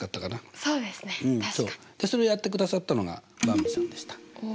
それやってくださったのがばんびさんでした。